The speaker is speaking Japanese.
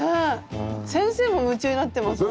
先生も夢中になってますもん。